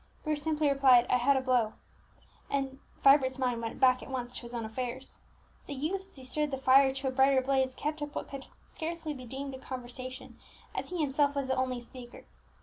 Bruce simply replied, "I had a blow;" and Vibert's mind went back at once to his own affairs. The youth, as he stirred the fire to a brighter blaze, kept up what could scarcely be termed a conversation, as he himself was the only speaker.